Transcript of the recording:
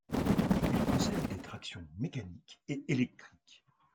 Il possède des tractions mécaniques et électriques.